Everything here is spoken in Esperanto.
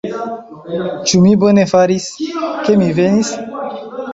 Ĉu mi bone faris, ke mi venis?